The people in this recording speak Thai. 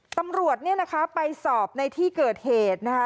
ตำรวจเนี่ยนะคะไปสอบในที่เกิดเหตุนะคะ